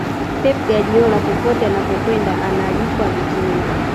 pep guardiola popote anapokwenda analipwa vizuri